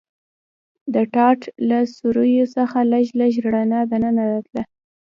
د ټاټ له سوریو څخه لږ لږ رڼا دننه راتله.